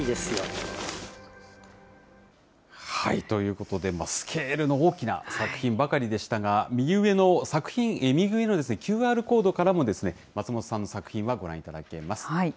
ということで、スケールの大きな作品ばかりでしたが、右上のＱＲコードからも、松本さんの作品はご覧いただけます。